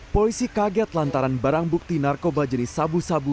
polisi kaget lantaran barang bukti narkoba jenis sabu sabu